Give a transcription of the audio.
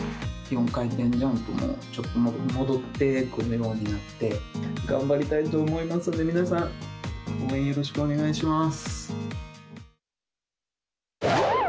４回転ジャンプもちょっと戻ってくるようになって、頑張りたいと思いますので、皆さん、応援よろしくお願いします。